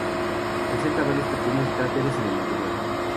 Presenta varios pequeños cráteres en el interior.